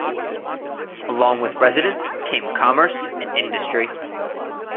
Along with residents came commerce and industry.